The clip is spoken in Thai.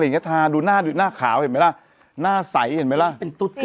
อยู่เยอะเลยนะนี่อันนี้ยังเป็นอยู่